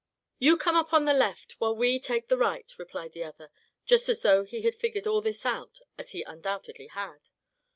"You come up on the left, while we take the right," replied the other, just as though he had figured all this out, as he undoubtedly had.